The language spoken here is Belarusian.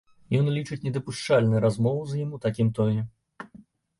Ён лічыць недапушчальнай размову з ім у такім тоне.